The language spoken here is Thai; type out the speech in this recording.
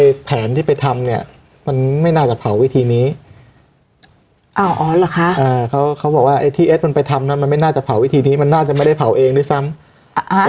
แผนที่ไปทำเนี่ยมันไม่น่าจะเผาวิธีนี้อ๋ออ๋อเหรอคะอ่าเขาเขาบอกว่าไอ้ที่เอสมันไปทำนั้นมันไม่น่าจะเผาวิธีนี้มันน่าจะไม่ได้เผาเองด้วยซ้ำ